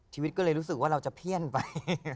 ชีวิตก็เลยรู้สึกว่าเราจะเพี้ยนไป